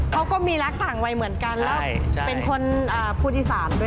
เขาก็มีลักษณ์สั่งวัยเหมือนกันแล้วเป็นคนภูติศาสตร์ด้วย